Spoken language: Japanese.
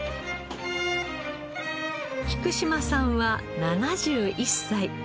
菊島さんは７１歳。